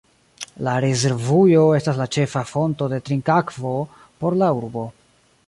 La rezervujo estas la ĉefa fonto de trinkakvo por la urbo.